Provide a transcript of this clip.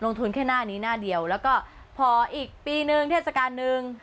ทุนแค่หน้านี้หน้าเดียวแล้วก็พออีกปีนึงเทศกาลนึง